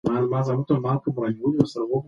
ناڅاپه د موبایل شور د ده د فکر لړۍ وشکوله.